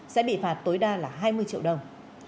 sẽ bị phạt tối đa là hai mươi triệu đồng